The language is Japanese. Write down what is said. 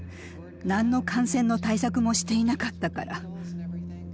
何の感染の対策もしていなかったから。